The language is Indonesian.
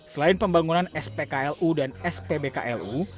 selain pembangunan spklu dan spbklu